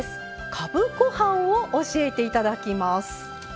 かぶご飯を教えて頂きます。